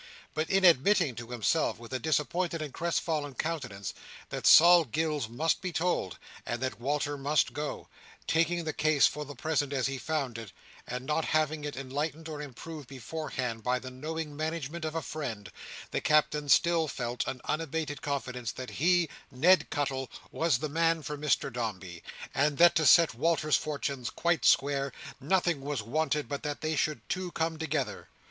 But in admitting to himself, with a disappointed and crestfallen countenance, that Sol Gills must be told, and that Walter must go—taking the case for the present as he found it, and not having it enlightened or improved beforehand by the knowing management of a friend—the Captain still felt an unabated confidence that he, Ned Cuttle, was the man for Mr Dombey; and that, to set Walter's fortunes quite square, nothing was wanted but that they two should come together.